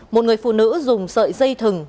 một người phụ nữ dùng sợi dây thừng